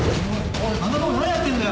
おいあんなとこで何やってんだよ！